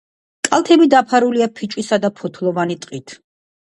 კალთები დაფარულია ფიჭვისა და ფოთლოვანი ტყით.